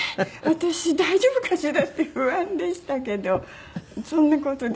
私大丈夫かしら？って不安でしたけどそんな事で。